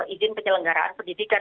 izin penyelenggaraan pendidikan